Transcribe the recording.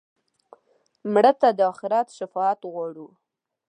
مړه ته د آخرت شفاعت غواړو